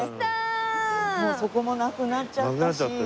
もうそこもなくなっちゃったし。